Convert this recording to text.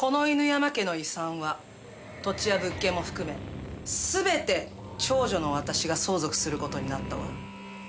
山家の遺産は土地や物件も含め全て長女の私が相続することになったわ